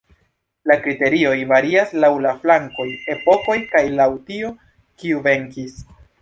La kriterioj varias laŭ la flankoj, epokoj kaj laŭ tio, kiu venkis.